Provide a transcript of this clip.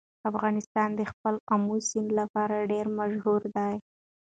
افغانستان د خپل آمو سیند لپاره ډېر مشهور دی.